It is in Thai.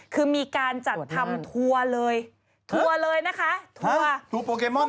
คือมีการจัดทำทัวร์เลยทัวร์เลยนะคะทัวร์ทัวร์ทัวร์โปเกมอนเนี่ยนะ